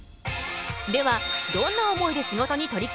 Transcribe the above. ではどんな思いで仕事に取り組んでいるのか？